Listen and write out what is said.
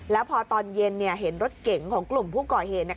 แล้วพอตอนเย็นเนี่ยเห็นรถเก๋งของกลุ่มผู้ก่อเหตุเนี่ย